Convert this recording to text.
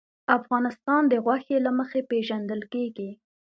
افغانستان د غوښې له مخې پېژندل کېږي.